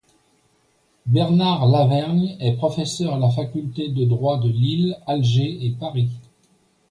Bernard Lavergne est professeur à la faculté de droit de Lille, Alger et Paris.